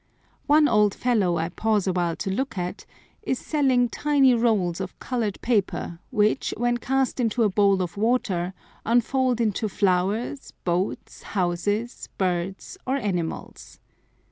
One old fellow I pause awhile to look at is selling tiny rolls of colored paper which, when cast into a bowl of water, unfold into flowers, boats, houses, birds, or animals.